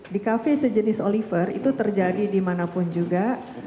di kafe sejenis oliver itu terjadi dimanapun juga